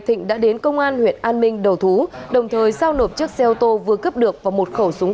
thỉnh đã đến công an huyện an minh đầu thú đồng thời sao nộp chiếc xe ô tô vừa cướp được vào một khẩu súng